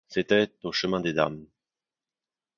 C'était au Chemin des Dames...